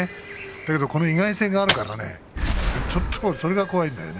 だけどこの意外性があるからねそれが怖いんだよね。